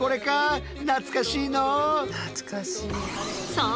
そう！